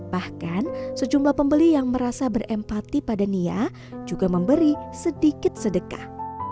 bahkan sejumlah pembeli yang merasa berempati pada nia juga memberi sedikit sedekah